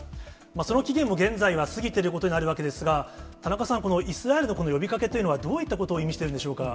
その期限も現在は過ぎてることになるわけですが、田中さん、このイスラエルのこの呼びかけというのは、どういったことを意味しているんでしょうか。